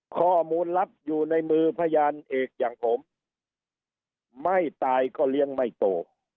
ข้อมูลลับอยู่ในมือพยานเอกอย่างผมไม่ตายก็เลี้ยงไม่โต